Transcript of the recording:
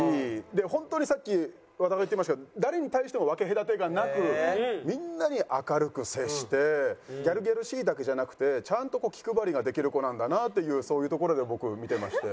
で本当にさっき和田が言ってましたけど誰に対しても分け隔てがなくみんなに明るく接してギャルギャルしいだけじゃなくてちゃんと気配りができる子なんだなっていうそういうところで僕見てまして。